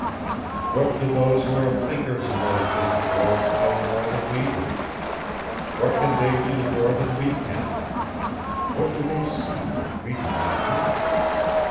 What do those who are thinkers in those distant worlds know more than we do? What can they do more than we can? What do they see which we do not know?